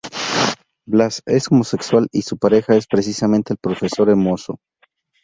Blas es homosexual y su pareja es precisamente el profesor Hermoso.